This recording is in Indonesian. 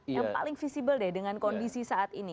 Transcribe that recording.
yang paling visible deh dengan kondisi saat ini